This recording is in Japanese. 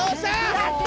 やった！